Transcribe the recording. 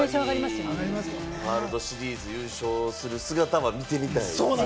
ワールドシリーズで優勝する姿は見てみたいですよね。